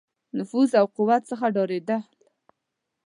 نفوذ او قوت څخه ډارېدل.